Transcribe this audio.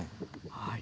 はい。